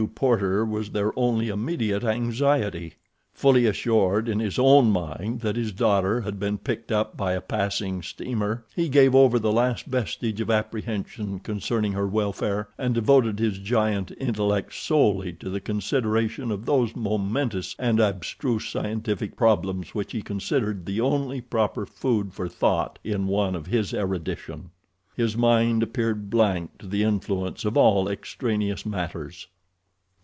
Porter was their only immediate anxiety. Fully assured in his own mind that his daughter had been picked up by a passing steamer, he gave over the last vestige of apprehension concerning her welfare, and devoted his giant intellect solely to the consideration of those momentous and abstruse scientific problems which he considered the only proper food for thought in one of his erudition. His mind appeared blank to the influence of all extraneous matters.